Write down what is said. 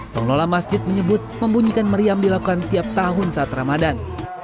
pengelola masjid menyebut membunyikan meriam dilakukan tiap tahun saat ramadan